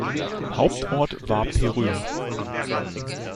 Hauptort war Perreux.